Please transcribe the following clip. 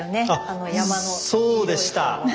あそうでした。